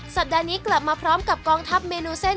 สัปดาห์นี้กลับมาพร้อมกับกองทัพเมนูเส้น